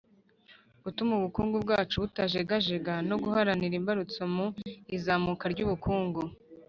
gutuma ubukungu bwacu butajegajega no guharanira imbarutso mu izamuka ry'ubukungu.